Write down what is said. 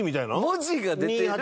文字が出てる。